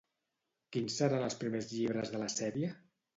Quins seran els primers llibres de la sèrie?